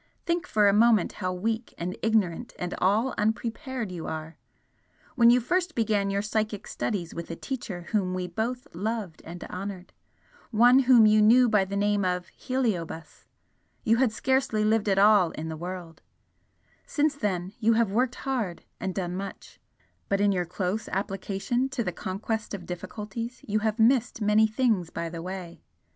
Think for a moment how weak and ignorant and all unprepared you are! When you first began your psychic studies with a Teacher whom we both loved and honoured one whom you knew by the name of Heliobas you had scarcely lived at all in the world; since then you have worked hard and done much, but in your close application to the conquest of difficulties you have missed many things by the way.